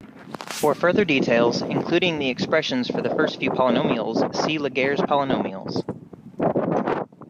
For further details, including the expressions for the first few polynomials, see Laguerre polynomials.